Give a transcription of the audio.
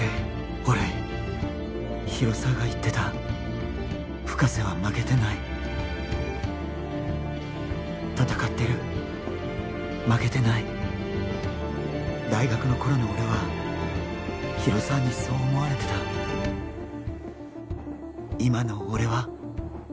俺広沢が言ってた深瀬は負けてない戦ってる負けてない大学の頃の俺は広沢にそう思われてた今の俺は？